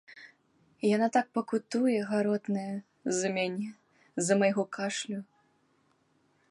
Яна так пакутуе, гаротная, з-за мяне, з-за майго кашлю.